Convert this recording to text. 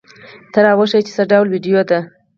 ته را وښیه چې څه ډول ویډیو ده؟